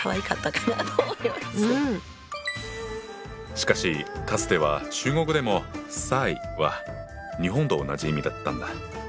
しかしかつては中国でも「賽」は日本と同じ意味だったんだ。